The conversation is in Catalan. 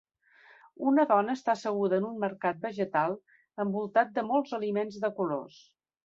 Una dona està asseguda en un mercat vegetal envoltat de molts aliments de colors.